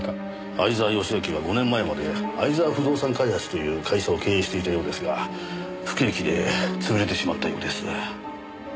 相沢良明は５年前まで相沢不動産開発という会社を経営していたようですが不景気で潰れてしまったようです。